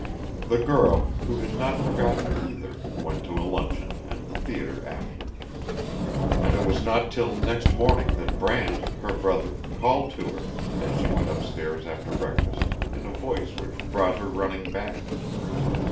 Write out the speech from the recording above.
The girl, who had not forgotten, either, went to a luncheon and the theatre after. And it was not till next morning that Brant, her brother, called to her, as she went upstairs after breakfast, in a voice which brought her running back.